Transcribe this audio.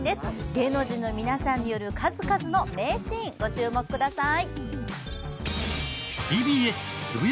芸能人の皆さんによる数々の名シーンご注目ください。